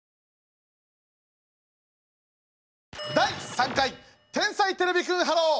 第３回「天才てれびくんｈｅｌｌｏ，」。